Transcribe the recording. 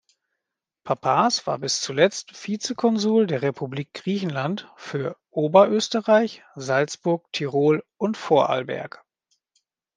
Pappas war bis zuletzt Vizekonsul der Republik Griechenland für Oberösterreich, Salzburg, Tirol und Vorarlberg.